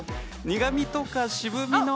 苦みとか渋みの。